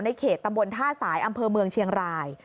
เขตตำบลท่าสายอำเภอเมืองเชียงราย